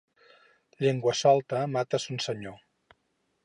Llengua solta mata son senyor.